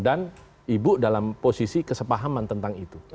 dan ibu dalam posisi kesepahaman tentang itu